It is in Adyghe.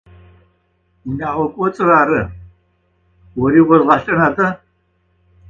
Унагъо к1оц1ыр ары, ори озыгъаш1эрэр аба?